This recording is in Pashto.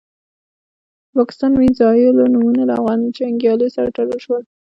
د پاکستاني میزایلو نومونه له افغان جنګیالیو سره تړل شول.